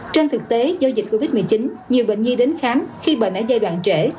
trên thực tế do dịch covid một mươi chín nhiều bệnh nhi đến khám khi bệnh ở giai đoạn trễ